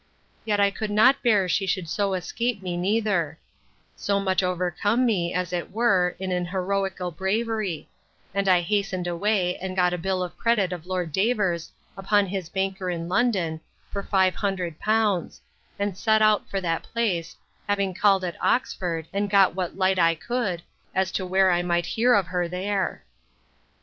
Yet I could not bear she should so escape me neither; so much overcome me, as it were, in an heroical bravery; and I hastened away, and got a bill of credit of Lord Davers, upon his banker in London, for five hundred pounds; and set out for that place, having called at Oxford, and got what light I could, as to where I might hear of her there.